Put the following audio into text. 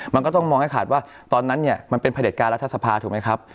มันก็ต้องมองให้ขาดว่าตอนนั้นเนี่ยมันเป็นผลิตการรัฐสภาถูกไหมครับ